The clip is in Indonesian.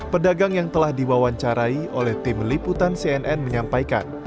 pedagang yang telah diwawancarai oleh tim liputan cnn menyampaikan